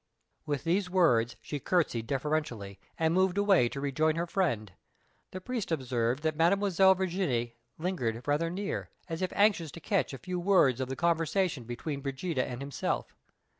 With these words she courtesied deferentially, and moved away to rejoin her friend. The priest observed that Mademoiselle Virginie lingered rather near, as if anxious to catch a few words of the conversation between Brigida and himself.